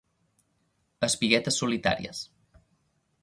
Espiguetes solitàries.